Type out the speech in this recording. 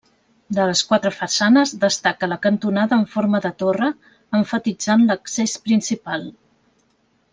De les quatre façanes destaca la cantonada amb forma de torre, emfatitzant l'accés principal.